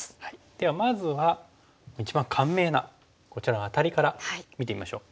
ではまずは一番簡明なこちらアタリから見てみましょう。